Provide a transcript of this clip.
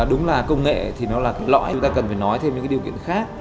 đúng là công nghệ thì nó là lõi chúng ta cần phải nói thêm những cái điều kiện khác